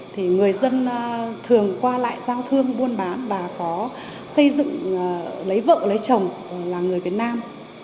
thì người dân thường qua lại giao thương buôn bán và có xây dựng lấy vợ lấy chồng là người việt nam